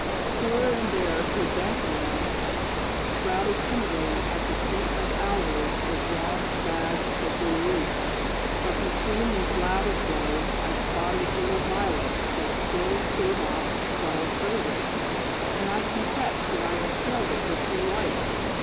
Here and there chrysanthemums sprouted timidly at the feet of aloes with long, sad, sickly leaves. But between these lava flows I spotted little violets that still gave off a subtle fragrance, and I confess that I inhaled it with delight.